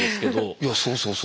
いやそうそうそう。